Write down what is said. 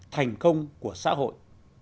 thành công của xã hội